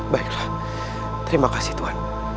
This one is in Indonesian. baiklah terima kasih tuan